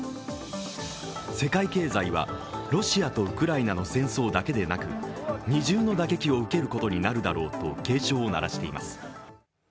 世界経済はロシアとウクライナの戦争だけでなく二重の打撃を受けることになるだろうと警鐘を鳴らしています。